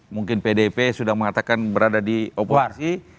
mungkin pdip sudah mengatakan berada di oposisi